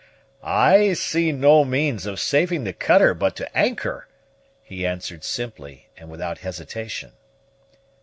"I see no means of saving the cutter but to anchor," he answered simply, and without hesitation.